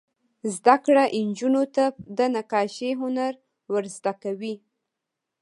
زده کړه نجونو ته د نقاشۍ هنر ور زده کوي.